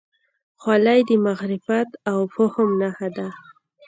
خولۍ د معرفت او فهم نښه ده.